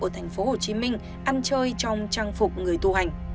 ở tp hcm ăn chơi trong trang phục người tu hành